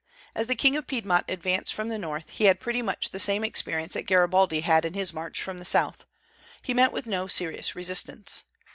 As the King of Piedmont advanced from the north, he had pretty much the same experience that Garibaldi had in his march from the south. He met with no serious resistance.